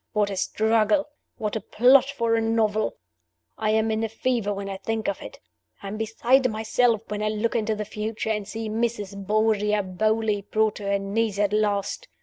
What a struggle! What a plot for a novel! I am in a fever when I think of it. I am beside myself when I look into the future, and see Mrs. Borgia Beauly brought to her knees at last.